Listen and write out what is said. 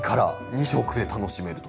２色で楽しめると。